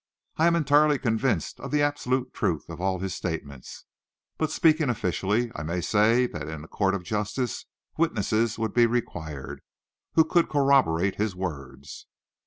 I am entirely convinced of the absolute truth of all his statements. But, speaking officially, I may say that in a court of justice witnesses would be required, who could corroborate his words."